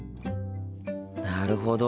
なるほど。